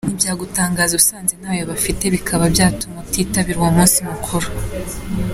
Ntibyagutangaza usanze ntayo bafite bikaba byatuma utitabira uwo munsi mukuru.